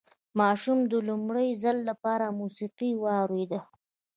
ماشوم د لومړي ځل لپاره موسيقي واورېده.